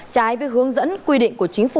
trái với hướng dẫn quy định của chính phủ